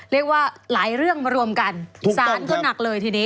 เรียกว่าหลายเรื่องมารวมกันสารก็หนักเลยทีนี้